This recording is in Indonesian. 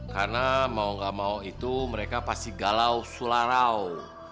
karena mau nggak mau itu mereka pasti galau sularau